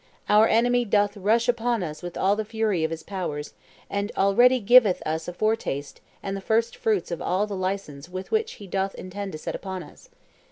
Our enemy doth rush upon us with all the fury of his powers, and already giveth us a foretaste and the first fruits of all the license with which he doth intend to set upon us.